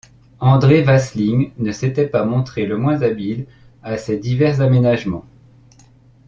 André Vasling ne s’était pas montré le moins habile à ces divers aménagements.